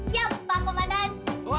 siap pak kemanan